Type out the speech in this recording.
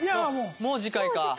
もう次回？